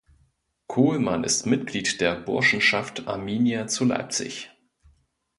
Kohlmann ist Mitglied der Burschenschaft Arminia zu Leipzig.